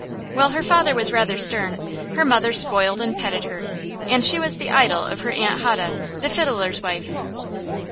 While her father was rather stern, her mother spoiled and petted her; and she was the idol of her aunt Hode, the fiddler's wife.